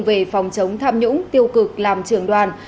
về phòng chống tham nhũng tiêu cực làm trưởng đoàn